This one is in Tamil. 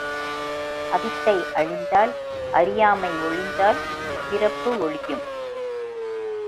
அவித்தை அழிந்தால், அறியாமை ஒழிந்தால், பிறப்பு ஒழியும்.